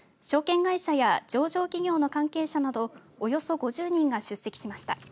証券会社や上場企業の関係者などおよそ５０人が出席しました。